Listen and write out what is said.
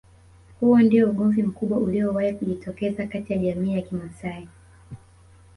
Huu ndio ugomvi mkubwa uliowahi kujitokeza kati ya jamii ya kimasai